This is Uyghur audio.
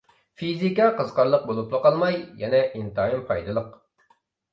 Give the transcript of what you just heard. فىزىكا قىزىقارلىق بولۇپلا قالماي، يەنە ئىنتايىن پايدىلىق.